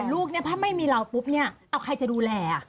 ลูกเนี่ยถ้าไม่มีเราปุ๊บเนี่ยเอาใครจะดูแล